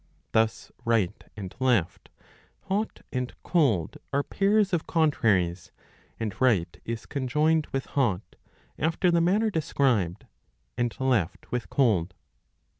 Thus right and left, hot and cold, are pairs of contraries; and right is conjoined with hot, after the manner described, and left with cold.